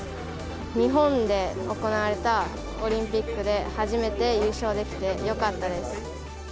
日本で行われたオリンピックで、初めて優勝できてよかったです。